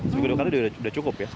seminggu dua kali sudah cukup ya